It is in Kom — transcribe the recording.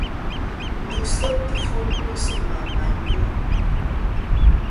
Ndu seftɨ fu mu sɨ mà mà nyu.